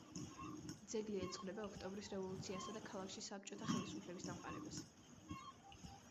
ძეგლი ეძღვნება ოქტომბრის რევოლუციასა და ქალაქში საბჭოთა ხელისუფლების დამყარებას.